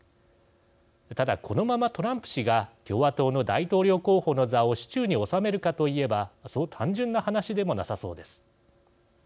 ただ、このままトランプ氏が共和党の大統領候補の座を手中に収めるかと言えばそう単純な話でもなさそうです。